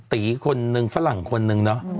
ตีคนนึงฝรั่งคนนึงเนอะ